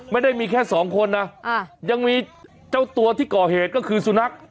ไม่ได้มีแค่สองคนนะยังมีเจ้าตัวที่ก่อเหตุก็คือสุนัข